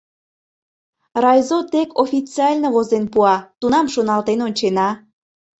Райзо тек официально возен пуа, тунам шоналтен ончена.